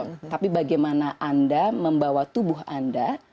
tapi bagaimana anda membawa tubuh anda